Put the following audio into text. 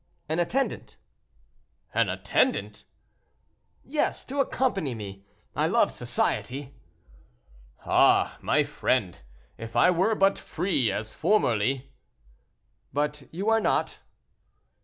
"An attendant!" "An attendant?" "Yes, to accompany me; I love society." "Ah! my friend, if I were but free, as formerly." "But you are not."